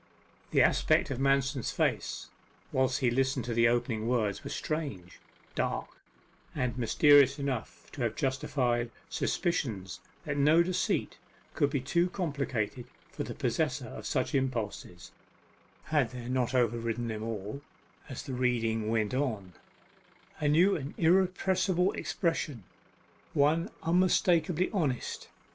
The aspects of Manston's face whilst he listened to the opening words were strange, dark, and mysterious enough to have justified suspicions that no deceit could be too complicated for the possessor of such impulses, had there not overridden them all, as the reading went on, a new and irrepressible expression one unmistakably honest.